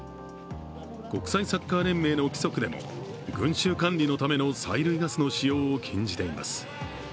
国際サッカー連盟の規則でも群衆管理のための催涙ガスの使用を禁じています。